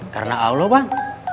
karena allah bang